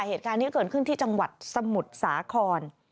เหตุการณ์ที่เกิดขึ้นที่จังหวัดสมุทรสาคร